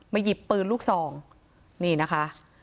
หยิบปืนลูกซองนี่นะคะ